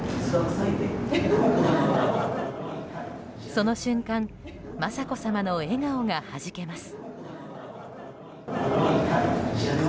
その瞬間雅子さまの笑顔がはじけます。